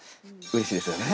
うれしいですね。